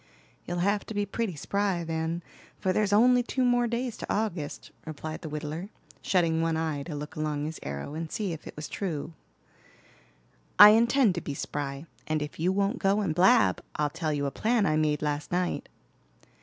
"You'll have to be pretty spry, then, for there's only two more days to August," replied the whittler, shutting one eye to look along his arrow and see if it was true. "I intend to be spry, and if you won't go and blab, I'll tell you a plan I made last night."